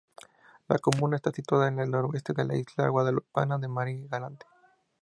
La comuna está situada en el noroeste de la isla guadalupana de Marie-Galante.